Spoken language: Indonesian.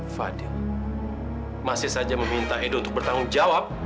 fadil masih saja meminta edo untuk bertanggung jawab